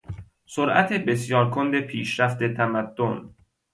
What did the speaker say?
سرعت بسیار کند پیشرفت تمدن